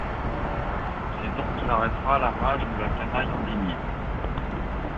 Sait-on où s'arrêtera la rage de la canaille en délire?